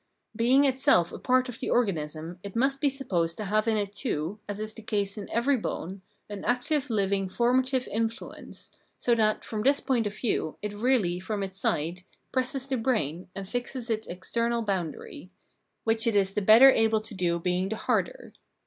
Being itself a part of the organism, it must be supposed to have in it too, as is the case in every bone, an active, Uving, formative influence, so that, from this point of view, it really, from its side, presses the bram, and fixes its external boundary, — which it is the better able to do being the harder.